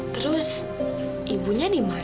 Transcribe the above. terus ibunya dimana